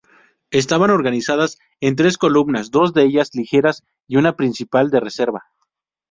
Estaban organizadas en tres columnas, dos de ellas ligeras y una principal, de reserva.